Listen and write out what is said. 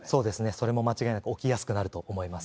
それも間違いなく起きやすくなると思います。